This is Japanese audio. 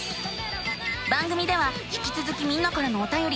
番組では引きつづきみんなからのおたよりまってるよ。